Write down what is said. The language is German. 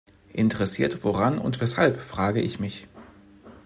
Interessiert woran und weshalb, frage ich mich.